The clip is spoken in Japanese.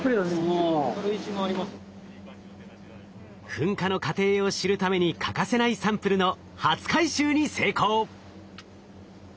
噴火の過程を知るために欠かせないサンプルの初回収に成功。